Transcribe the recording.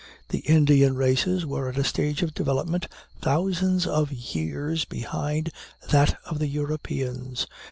The Indian races were at a stage of development thousands of years behind that of the Europeans.